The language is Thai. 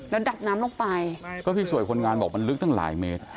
แล้วดับน้ำลงไปก็พี่สวยคนงานบอกมันลึกตั้งหลายเมตร